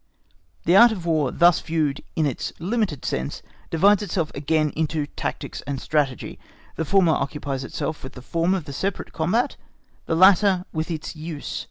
The Art of War thus viewed in its limited sense divides itself again into tactics and strategy. The former occupies itself with the form of the separate combat, the latter with its use.